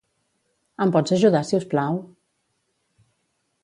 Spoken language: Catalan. Em pots ajudar, si us plau?